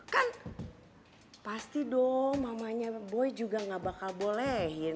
kan pasti dong mamanya boy juga gak bakal bolehin